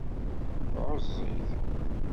Ɛuẓẓeg.